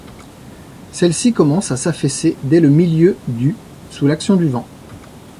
Celle-ci commence à s'affaisser dès le milieu du sous l'action du vent.